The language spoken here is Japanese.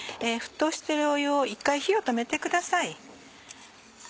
沸騰してる湯を一回火を止めてください。